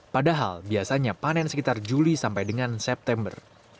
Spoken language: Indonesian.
padahal biasanya panen sekitar juli sampai dengan september